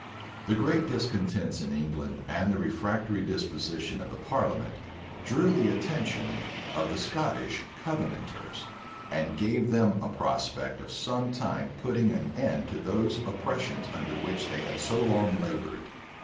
The great discontents in England, and the refractory disposition of the parliament, drew the attention of the Scottish Covenanters, and gave them a prospect of some time putting an end to those oppressions under which they had so long labored.